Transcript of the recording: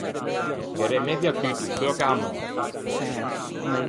Gh’é remedio à tutto feua che a-a mòrte.